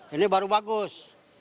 ini baru bagus